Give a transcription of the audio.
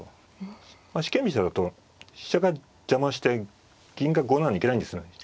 四間飛車だと飛車が邪魔して銀が５七に行けないんですね。